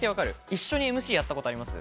一緒にＭＣやったことあります？